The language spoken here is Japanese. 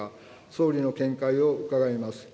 総理の見解を伺います。